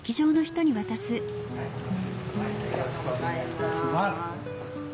ありがとうございます。